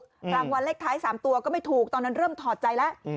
รางวัลเลขท้าย๓ตัวก็ไม่ถูกตอนนั้นเริ่มถอดใจแล้ว